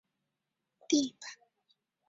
家中的地板露气重